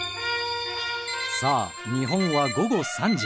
さあ日本は午後３時。